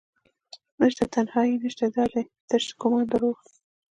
نشته تنهایې نشته دادي تش ګمان دروح